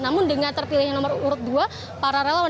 namun dengan terpilihnya nomor urut dua para relawan